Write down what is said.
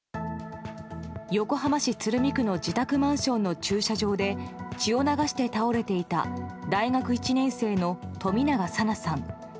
横浜市鶴見区の自宅マンションの駐車場で血を流して倒れていた大学１年生の冨永紗菜さん。